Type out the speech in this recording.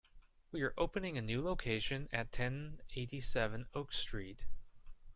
We are opening the a new location at ten eighty-seven Oak Street.